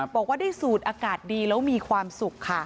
บอกว่าได้สูดอากาศดีแล้วมีความสุขค่ะ